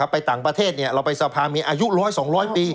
ไปต่างประเทศเราไปสภามีอายุ๑๐๐๒๐๐ปี